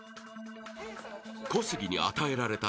［小杉に与えられた］